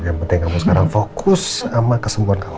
yang penting kamu sekarang fokus sama kesembuhan kamu